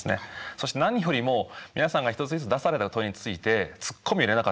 そして何よりも皆さんが一つずつ出された問いについてツッコミを入れなかった。